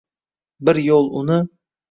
Bir yo’l uni